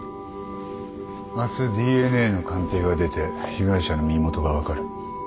明日ＤＮＡの鑑定が出て被害者の身元が分かる。